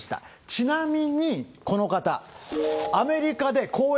ちなみに、この方、アメリカで講演